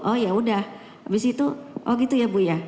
oh yaudah abis itu oh gitu ya bu ya